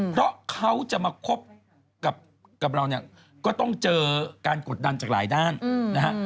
เพราะเขาจะมาคบกับเราเนี่ยก็ต้องเจอการกดดันจากหลายด้านนะฮะ